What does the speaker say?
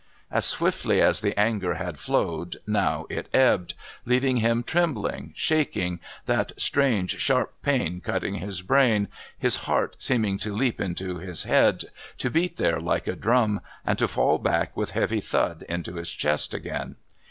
As swiftly as the anger had flowed now it ebbed, leaving him trembling, shaking, that strange sharp pain cutting his brain, his heart seeming to leap into his head, to beat there like a drum, and to fall back with heavy thud into his chest again.